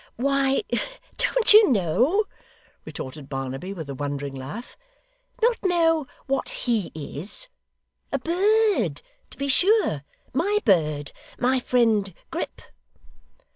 'Why, don't you know!' retorted Barnaby, with a wondering laugh. 'Not know what HE is! A bird, to be sure. My bird my friend Grip.